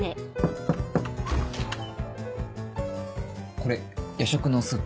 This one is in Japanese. これ夜食のスープ。